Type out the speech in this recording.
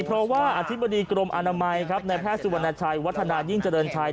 เพราะว่าอธิบดีกรมอนามัยครับในแพทย์สุวรรณชัยวัฒนายิ่งเจริญชัย